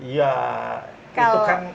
ya itu kan